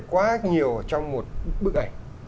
quá nhiều trong một bức ảnh